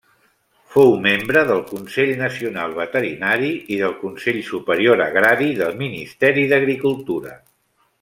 Fou membre del Consell Nacional Veterinari i del Consell Superior Agrari del Ministeri d'Agricultura.